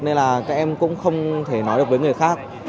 nên là các em cũng không thể nói được với người khác